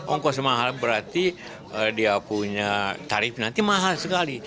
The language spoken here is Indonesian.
ongkos mahal berarti dia punya tarif nanti mahal sekali